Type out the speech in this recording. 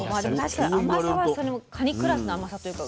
確かに甘さはそのカニクラスの甘さというか。